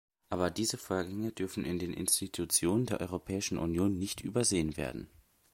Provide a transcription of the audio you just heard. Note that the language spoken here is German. Aber diese Vorgänge dürfen in den Institutionen der Europäischen Union nicht übersehen werden.